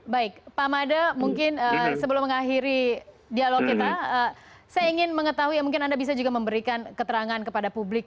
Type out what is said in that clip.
baik pak mada mungkin sebelum mengakhiri dialog kita saya ingin mengetahui mungkin anda bisa juga memberikan keterangan kepada publik